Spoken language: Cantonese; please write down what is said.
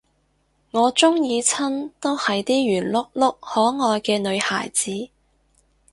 我鍾意親都係啲圓碌碌可愛嘅女孩子